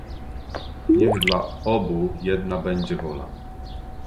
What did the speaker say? "niech dla obu jedna będzie wola!"